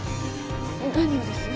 何をです？